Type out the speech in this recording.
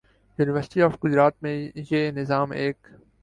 university of Gujrat میں یہ نظام ایک